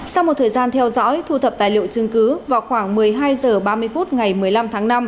sau một thời gian theo dõi thu thập tài liệu chứng cứ vào khoảng một mươi hai h ba mươi phút ngày một mươi năm tháng năm